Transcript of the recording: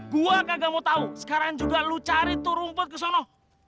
gue kagak mau tau sekarang juga lu cari tuh rumput kesana